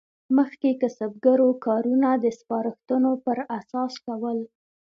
مخکې کسبګرو کارونه د سپارښتونو پر اساس کول.